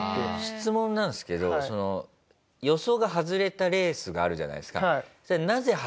質問なんですけどその予想が外れたレースがあるじゃないですか。